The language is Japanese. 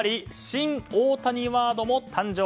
新大谷ワードも誕生。